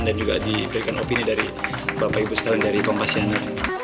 dan juga diberikan opini dari bapak ibu sekarang dari kompasiana